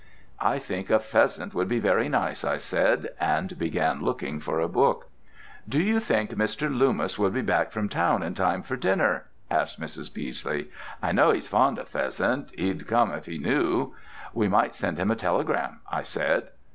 "I think a pheasant would be very nice," I said, and began looking for a book. "Do you think Mr. Loomis will be back from town in time for dinner?" asked Mrs. Beesley. "I know 'e's fond o' pheasant. He'd come if he knew." "We might send him a telegram," I said.